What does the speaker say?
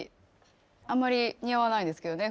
あんまり似合わないですけどねふだん。